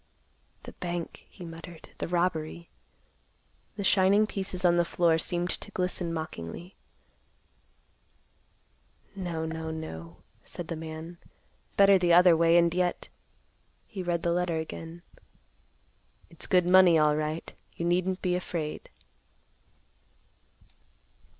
"The bank," he muttered; "the robbery." The shining pieces on the floor seemed to glisten mockingly; "No, no, no," said the man. "Better the other way, and yet—" He read the letter again. "It's good money, alright; you needn't be afraid."